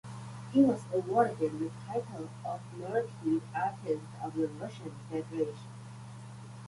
He was awarded the title of Merited Artist of the Russian Federation.